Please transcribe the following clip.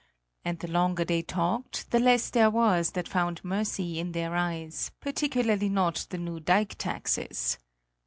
And the longer they talked, the less there was that found mercy in their eyes, particularly not the new dike taxes.